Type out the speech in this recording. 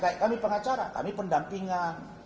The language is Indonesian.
kayak kami pengacara kami pendampingan